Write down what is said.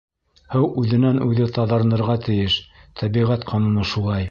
— Һыу үҙенән-үҙе таҙарынырға тейеш, тәбиғәт ҡануны шулай.